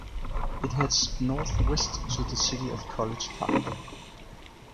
It heads northwest to the city of College Park.